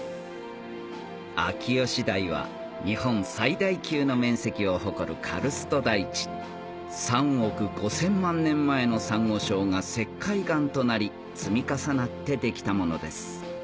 秋吉台は日本最大級の面積を誇るカルスト台地３億５０００万年前のサンゴ礁が石灰岩となり積み重なってできたものです